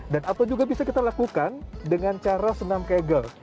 dan apa juga bisa kita lakukan dengan cara senam kegel